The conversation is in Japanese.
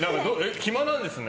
暇なんですね。